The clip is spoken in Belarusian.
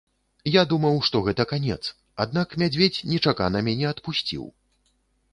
Я думаў, што гэта канец, аднак мядзведзь нечакана мяне адпусціў.